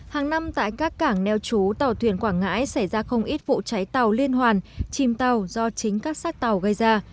hàng năm tại các cảng neo chú tàu thuyền quảng ngãi xảy ra không ít vụ cháy tàu liên hoàn chìm tàu do chính các xác tàu gây ra